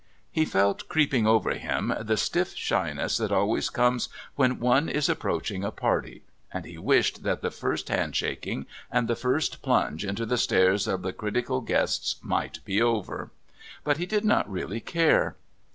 He felt creeping over him the stiff shyness that always comes when one is approaching a party, and he wished that the first handshaking and the first plunge into the stares of the critical guests might be over. But he did not really care.